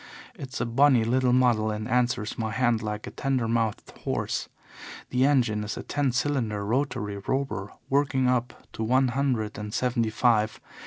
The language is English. It's a bonny little model and answers my hand like a tender mouthed horse. The engine is a ten cylinder rotary Robur working up to one hundred and seventy five.